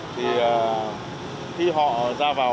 thì khi họ ra vào